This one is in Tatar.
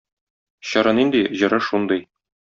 Чоры нинди, җыры шундый.